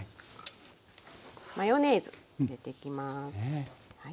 マヨネーズ入れていきます。